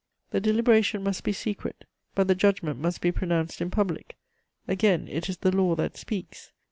"The deliberation must be secret, but the judgment must be pronounced in public: again, it is the law that speaks.